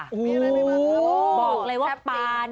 บอกเลยว่า